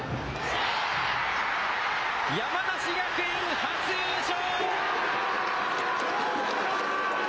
山梨学院、初優勝。